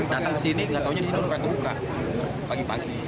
datang ke sini gak taunya disuruh berarti buka pagi pagi